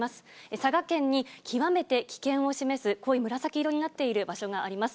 佐賀県に、極めて危険を示す濃い紫色になっている場所があります。